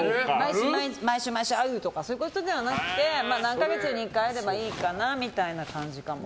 毎週毎週会うとかそういうことじゃなくて何か月に１回会えればいいかなみたいな感じかも。